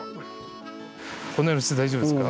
このようにして大丈夫ですか？